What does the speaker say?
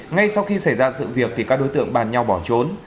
ngay sau khi xảy ra sự việc thì các đối tượng bàn nhau bỏ trốn